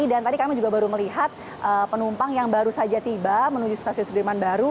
dan tadi kami juga baru melihat penumpang yang baru saja tiba menuju stasiun sudirman baru